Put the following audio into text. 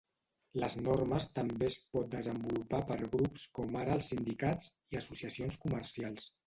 Les normes també es pot desenvolupar per grups com ara els sindicats, i associacions comercials.